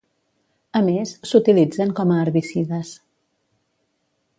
A més, s'utilitzen com a herbicides.